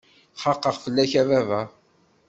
Xaqeɣ fell-ak a baba!